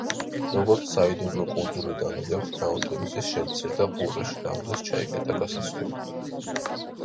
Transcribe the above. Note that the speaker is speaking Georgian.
როგორც „საიდუმლო კუნძულიდან“ ვიგებთ, ნაუტილუსი შემცირდა ყურეში და ამ დროს ჩაიკეტა გასასვლელი.